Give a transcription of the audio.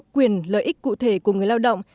quyền lợi ích cụ thể của người lao động